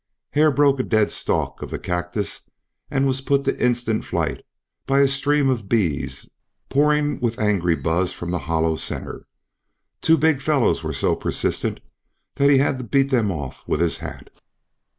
Hare broke a dead stalk of the cactus and was put to instant flight by a stream of bees pouring with angry buzz from the hollow centre. Two big fellows were so persistent that he had to beat them off with his hat.